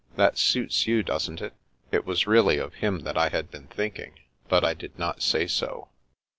That suits you, doesn't it? " (It was really of him that I had been think ing, but I did not say so.)